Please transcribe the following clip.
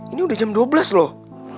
ini udah jam dua belas loh